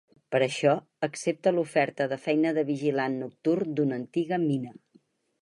Per això, accepta l’oferta de feina de vigilant nocturn d’una antiga mina.